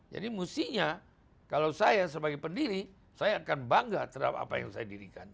jadi mestinya kalau saya sebagai pendiri saya akan bangga terhadap apa yang saya dirikan